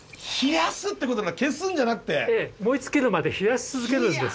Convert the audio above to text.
燃え尽きるまで冷やし続けるんです。